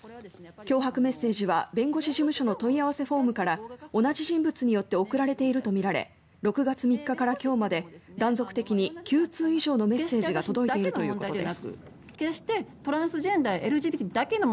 脅迫メッセージは弁護士事務所の問い合わせフォームから同じ人物によって送られているとみられ６月３日から今日まで断続的に９通以上のメッセージが届いているということです。